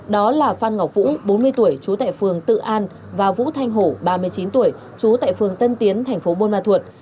đó là phan ngọc vũ bốn mươi tuổi trú tại phường tự an và vũ thanh hổ ba mươi chín tuổi trú tại phường tân tiến thành phố bôn ma thuột